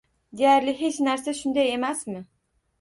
Deyarli hech narsani, shunday emasmi?